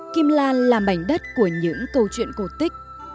kim lan là mảnh đất của những câu chuyện cổ tích